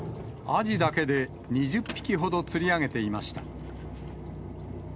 アジだけで２０匹ほど釣り上げていました。